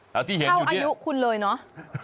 เท่าอายุคุณเลยเนอะ